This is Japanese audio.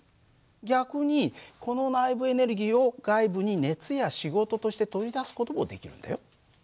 逆にこの内部エネルギーを外部に熱や仕事として取り出す事もできるんだよ。